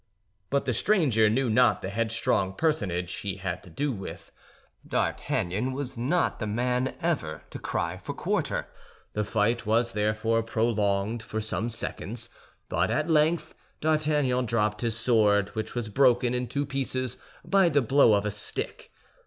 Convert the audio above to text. But the stranger knew not the headstrong personage he had to do with; D'Artagnan was not the man ever to cry for quarter. The fight was therefore prolonged for some seconds; but at length D'Artagnan dropped his sword, which was broken in two pieces by the blow of a stick.